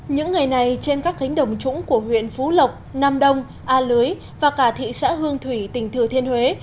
những ngày này trên các cánh đồng trũng của huyện phú lộc nam đông a lưới và cả thị xã hương thủy tỉnh thừa thiên huế